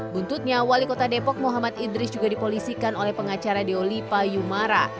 buntutnya wali kota depok muhammad idris juga dipolisikan oleh pengacara deolipa yumara